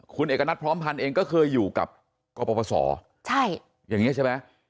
คุณเอกณัฐพร้อมพันธ์เองก็เคยอยู่กับกรปศอย่างนี้ใช่ไหม